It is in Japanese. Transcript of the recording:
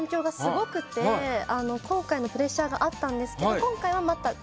今回のプレッシャーがあったんですけど。